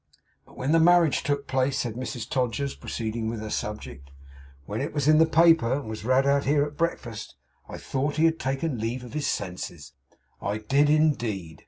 'But when the marriage took place,' said Mrs Todgers, proceeding with her subject, 'when it was in the paper, and was read out here at breakfast, I thought he had taken leave of his senses, I did indeed.